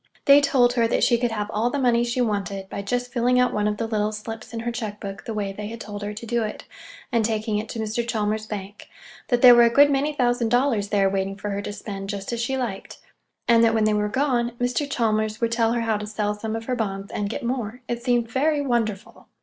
They told her that she could have all the money she wanted by just filling out one of the little slips in her check book the way they had told her to do it and taking it to Mr. Chalmers's bank—that there were a good many thousand dollars there waiting for her to spend, just as she liked; and that, when they were gone, Mr. Chalmers would tell her how to sell some of her bonds and get more. It seemed very wonderful!